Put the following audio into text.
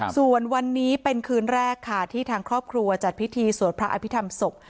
ส่วนวันนี้เป็นคืนแรกค่ะที่ทางครอบครัวจัดพิธีสวดพระอภิษฐรรมศพ